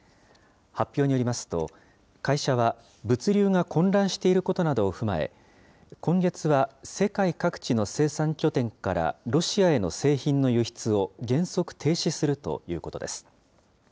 発表によりますと、会社は、物流が混乱していることなどを踏まえ、今月は世界各地の生産拠点からロシアへの製品の輸出を、原則停止するということです。